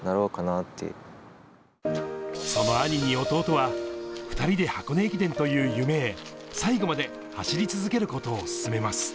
その兄に弟は、２人で箱根駅伝という夢へ、最後まで走り続けることを勧めます。